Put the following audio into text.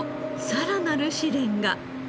さらなる試練が。